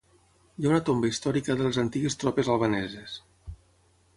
Hi ha una tomba històrica de les antigues tropes albaneses.